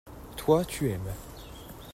Toi, tu aimes.